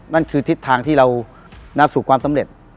นั่นคือทิศทางที่เราสู่ความสำเร็จ